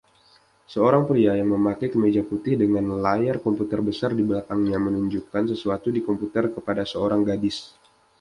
Seorang pria yang memakai kemeja putih dengan layar komputer besar di belakangnya menunjukkan sesuatu di komputer kepada seorang gadis.